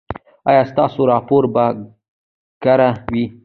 ایا ستاسو راپور به کره وي؟